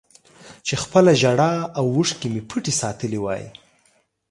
چې خپله ژړا او اوښکې مې پټې ساتلې وای